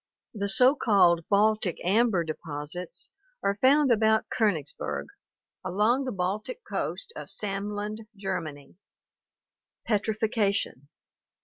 The so called "Baltic amber" deposits are found about KSnigsberg, along the Baltic coast of Samland, Germany (see Fig. 09). Petrifaction.